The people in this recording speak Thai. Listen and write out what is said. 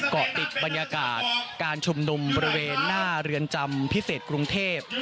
เกาะติดบรรยากาศการชุมนุมบริเวณหน้าเรือนจำพิเศษกรุงเทพ